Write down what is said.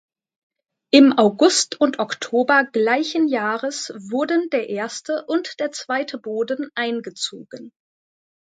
Im August und Oktober gleichen Jahres wurden der erste und der zweite Boden eingezogen.